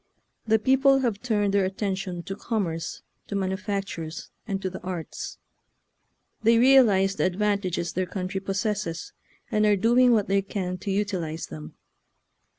The people have turned their attention to commerce, to manufactures, and to the arts. They realize the advantages their country pos sesses, and are doing what they can to utilize them.